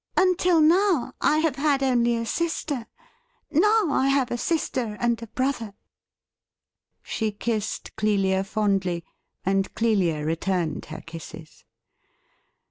' Until now I have had only a sister ; now I have a sister and a brother.' She kissed Clelia fondly, and Clelia returned her kisses.